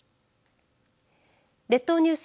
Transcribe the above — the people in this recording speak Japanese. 列島ニュース